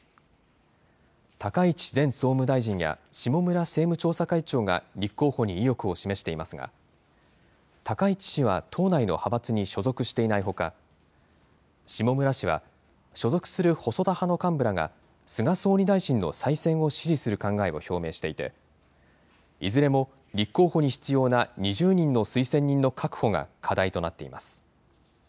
高市前総務大臣や下村政務調査会長が立候補に意欲を示していますが、高市氏は党内の派閥に所属していないほか、下村氏は所属する細田派の幹部らが、菅総理大臣の再選を支持する考えを表明していて、いずれも立候補に必要な２０人の推薦人の確保が課題となっています。